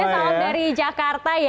halo salam dari jakarta ya